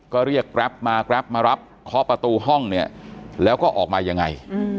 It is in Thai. ก็เรียกแกรปมาแกรปมารับเคาะประตูห้องเนี่ยแล้วก็ออกมายังไง